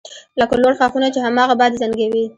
لکه لوړ ښاخونه چې هماغه باد یې زنګوي